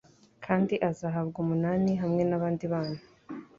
kandi azahabwa umunani hamwe n’abandi bana